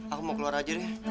aku mau keluar aja deh